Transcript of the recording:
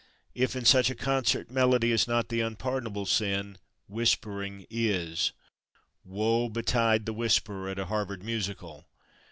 If, in such a concert, melody is not the unpardonable sin, whispering is. Woe betide the whisperer at a Harvard Musical.